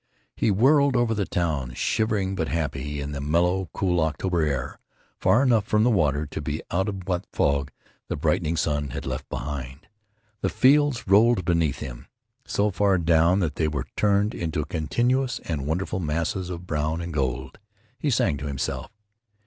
He whirled over the towns, shivering but happy in the mellow, cool October air, far enough from the water to be out of what fog the brightening sun had left. The fields rolled beneath him, so far down that they were turned into continuous and wonderful masses of brown and gold. He sang to himself.